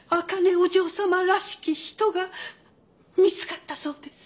お嬢さまらしき人が見つかったそうです。